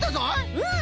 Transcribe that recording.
うん！